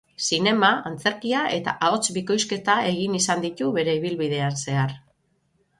Zinema, antzerkia eta ahots-bikoizketa egin izan ditu bere ibilbidean zehar.